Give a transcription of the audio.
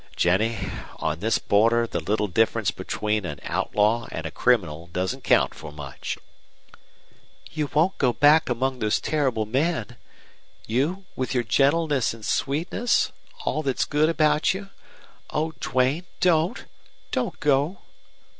"Jennie, on this border the little difference between an out law and a criminal doesn't count for much." "You won't go back among those terrible men? You, with your gentleness and sweetness all that's good about you? Oh, Duane, don't don't go!"